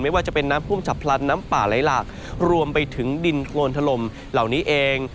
ว่าจะเป็นน้ำท่วมฉับพลันน้ำป่าไหลหลากรวมไปถึงดินโครนถล่มเหล่านี้เอง